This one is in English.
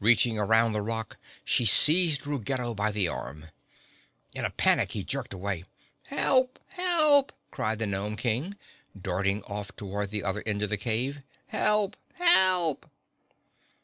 Reaching around the rock she seized Ruggedo by the arm. In a panic, he jerked away. "Help! Help!" cried the gnome King, darting off toward the other end of the cave. "Help! Help!"